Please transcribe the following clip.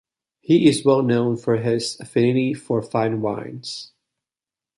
He is well known for his affinity for fine wines.